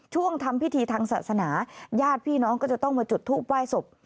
ทำพิธีทางศาสนาญาติพี่น้องก็จะต้องมาจุดทูปไหว้ศพ